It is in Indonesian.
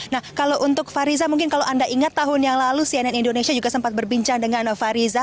nah kalau untuk fariza mungkin kalau anda ingat tahun yang lalu cnn indonesia juga sempat berbincang dengan fariza